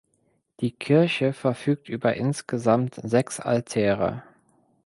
Die Kirche verfügt über insgesamt sechs Altäre.